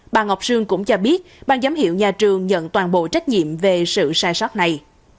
bà ngọc sương cũng cho biết bang giám hiệu nhà trường nhận toàn bộ trách nhiệm về sự sai sót này